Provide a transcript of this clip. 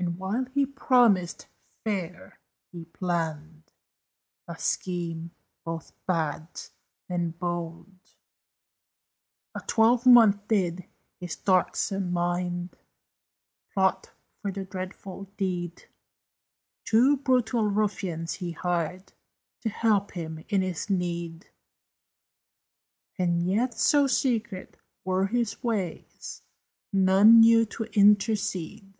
And, while he promised fair, he planned A scheme both bad and bold. A twelvemonth did his darksome mind Plot for the dreadful deed. Two brutal ruffians he hired To help him in his need; And yet, so secret were his ways, None knew to intercede.